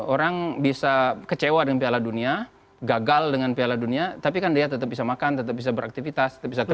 orang bisa kecewa dengan piala dunia gagal dengan piala dunia tapi kan dia tetap bisa makan tetap bisa beraktivitas bisa keluar